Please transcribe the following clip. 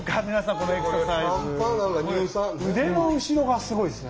これ腕の後ろがすごいですね。